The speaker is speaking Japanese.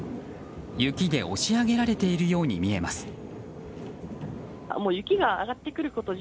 雪で押し上げられているように見えます。